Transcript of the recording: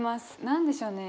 何でしょうね